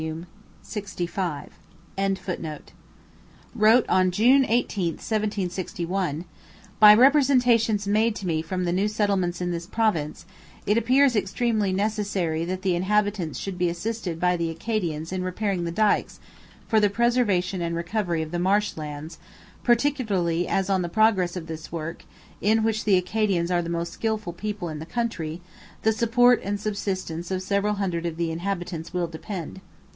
lxv.] wrote on June 18, 1761: 'By representations made to me from the new settlements in this province, it appears extremely necessary that the inhabitants should be assisted by the Acadians in repairing the dykes for the preservation and recovery of the marsh lands, particularly as on the progress of this work, in which the Acadians are the most skilful people in the country, the support and subsistence of several hundred of the inhabitants will depend.'